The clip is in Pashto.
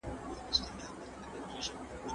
آیا دودونه تر قوانینو زاړه دي؟